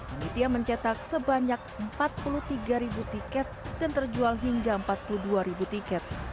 ini dia mencetak sebanyak empat puluh tiga tiket dan terjual hingga empat puluh dua ribu tiket